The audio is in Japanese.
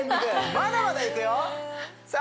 まだまだいくよさあ